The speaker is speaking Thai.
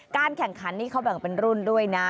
แข่งขันนี่เขาแบ่งเป็นรุ่นด้วยนะ